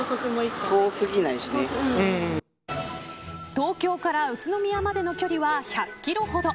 東京から宇都宮までの距離は１００キロほど。